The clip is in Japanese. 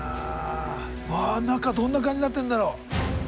うわ中どんな感じになってんだろう。